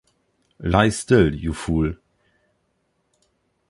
Lie still, you fool!